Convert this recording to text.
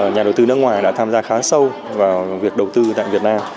nhà đầu tư nước ngoài đã tham gia khá sâu vào việc đầu tư tại việt nam